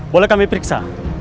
boleh kami periksa